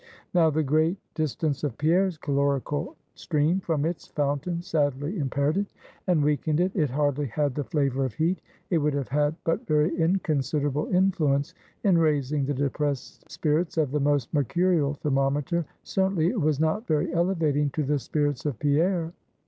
Now, the great distance of Pierre's calorical stream from its fountain, sadly impaired it, and weakened it. It hardly had the flavor of heat. It would have had but very inconsiderable influence in raising the depressed spirits of the most mercurial thermometer; certainly it was not very elevating to the spirits of Pierre.